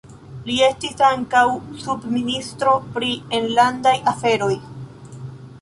Li estis ankaŭ subministro pri enlandaj aferoj.